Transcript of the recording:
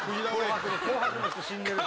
紅白の人死んでる・